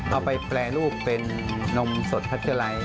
เอาไปแปรรูปเป็นนมสดพัชลัย